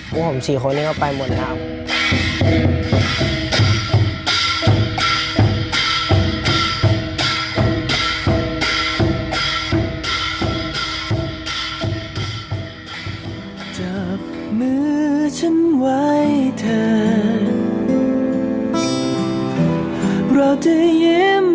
พวกผม๔คนเนี่ยก็ไปหมดแล้ว